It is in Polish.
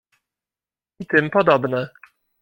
I tym podobne.